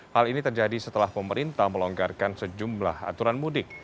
hal ini terjadi setelah pemerintah melonggarkan sejumlah aturan mudik